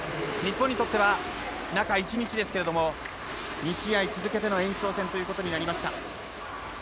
日本にとっては中１日ですけれども２試合続けての延長戦となりました。